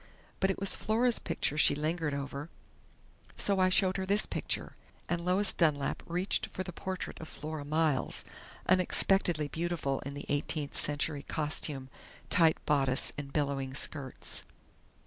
But it was Flora's picture she lingered over, so I showed her this picture," and Lois Dunlap reached for the portrait of Flora Miles, unexpectedly beautiful in the eighteenth century costume tight bodice and billowing skirts.